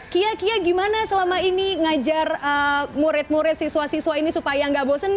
kia kiya gimana selama ini ngajar murid murid siswa siswa ini supaya gak bosen